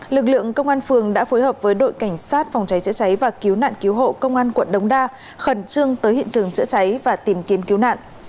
lực lượng công an phường đã phối hợp với đội cảnh sát phòng cháy chữa cháy và cứu nạn cứu hộ công an quận đống đa khẩn trương tới hiện trường chữa cháy và tìm kiếm cứu nạn